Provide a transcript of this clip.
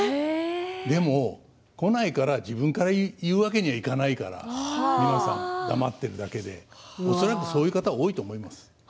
でも来ないから自分から言うわけにはいかないから皆さん黙っているだけで恐らくそういう方多いと思います。